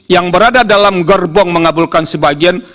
yang berada dalam gerbong mengabulkan sebagian